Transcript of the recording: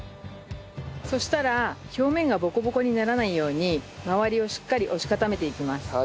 そしたら表面がボコボコにならないように周りをしっかり押し固めていきます。